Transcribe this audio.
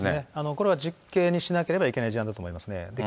これは実刑にしなければいけない事案だと思いますね。